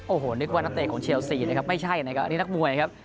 โอ้โหนึกว่านักเตะของเชลซีนะครับไม่ใช่นะครับอันนี้นักมวยครับ